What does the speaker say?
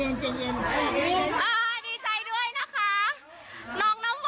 รางวัลที่หนึ่งนะคะหนึ่งใบค่ะโอ้ยรางวัลที่หนึ่ง